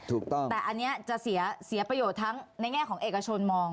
ถูกต้องแต่อันนี้จะเสียประโยชน์ทั้งในแง่ของเอกชนมอง